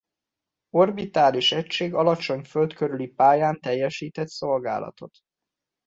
Az orbitális egység alacsony Föld körüli pályán teljesített szolgálatot.